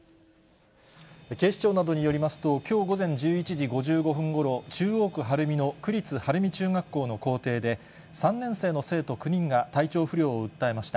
警視庁などによりますと、きょう午前１１時５５分ごろ、中央区晴海の区立晴海中学校の校庭で、３年生の生徒９人が体調不良を訴えました。